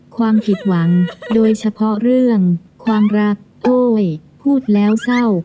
ความผิดหวังโดยเฉพาะเรื่องความรักโอ้ยพูดแล้วเศร้า